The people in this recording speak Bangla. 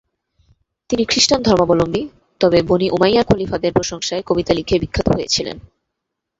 তিনি খ্রিস্টান ধর্মাবলম্বী, তবে বনি উমাইয়ার খলিফাদের প্রশংসায় কবিতা লিখে বিখ্যাত হয়েছিলেন।